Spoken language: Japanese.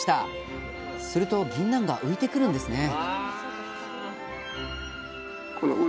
するとぎんなんが浮いてくるんですね